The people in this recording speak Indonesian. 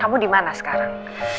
kamu dimana sekarang